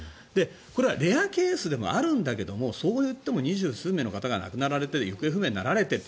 これはレアケースでもあるんだけれどもそういっても２０数名の方が亡くなられている行方不明になられている。